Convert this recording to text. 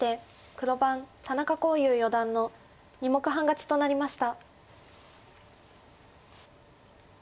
黒番田中四段の２目半勝ちとなりました。